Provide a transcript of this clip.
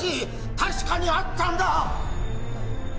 確かにあったんだ！